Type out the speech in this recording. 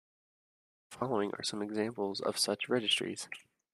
The following are some examples of such registries.